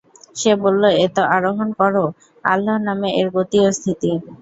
সে বলল, এতে আরোহণ কর, আল্লাহর নামে এর গতি ও স্থিতি।